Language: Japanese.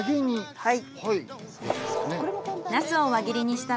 はい。